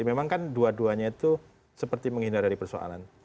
memang kan dua duanya itu seperti menghindari persoalan